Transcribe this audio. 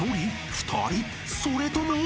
２人？それとも］